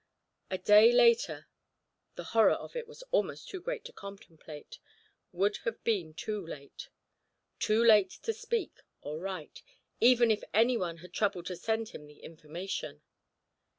A day later the horror of it was almost too great to contemplate would have been too late, too late to speak or write, even if anyone had troubled to send him the information.